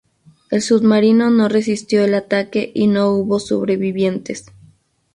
El submarino no resistió el ataque y no hubo sobrevivientes.